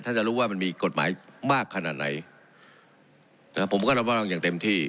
ถ้าจะรู้ว่ามันมีกฎหมายมากขนาดไหนนะครับผมก็รับว่าเราอย่างเต็มที่